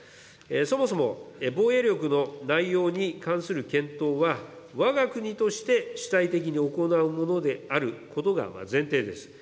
そもそも防衛力の内容に関する検討は、わが国として主体的に行うものであることが前提です。